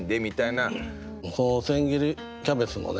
その千切りキャベツのね